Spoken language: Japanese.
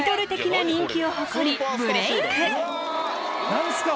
何っすか？